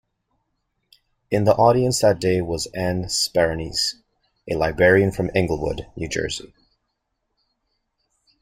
In the audience that day was Ann Sparanese, a librarian from Englewood, New Jersey.